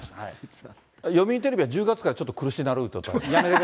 読売テレビは１０月からちょっと苦しくなるんじゃない？